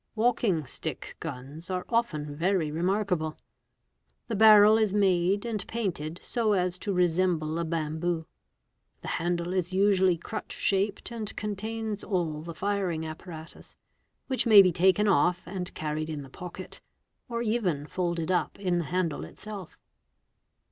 Walking stick guns are often very remarkable. The barrel is made and painted so as to resemble a bamboo; the handle is usually crutch shaped and contains all the firing apparatus, which may be taken off and carried in the pocket, or even folded up in the handle itself.